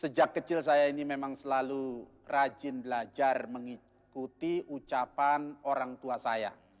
sejak kecil saya ini memang selalu rajin belajar mengikuti ucapan orang tua saya